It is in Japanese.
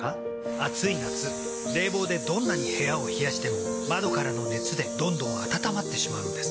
暑い夏冷房でどんなに部屋を冷やしても窓からの熱でどんどん暖まってしまうんです。